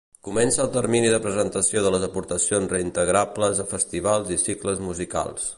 Comença el termini de presentació de les aportacions reintegrables a festivals i cicles musicals.